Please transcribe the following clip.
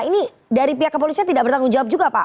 ini dari pihak kepolisian tidak bertanggung jawab juga pak